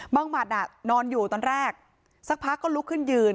หมัดอ่ะนอนอยู่ตอนแรกสักพักก็ลุกขึ้นยืน